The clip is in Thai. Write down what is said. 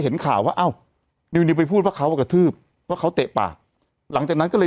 เห็นข่าวว่าอ้าวนิวไปพูดว่าเขากระทืบว่าเขาเตะปากหลังจากนั้นก็เลย